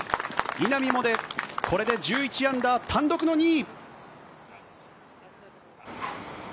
稲見萌寧、これで１１アンダー単独の２位。